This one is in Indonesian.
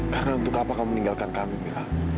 karena untuk apa kamu meninggalkan kami mila